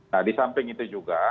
nah di samping itu juga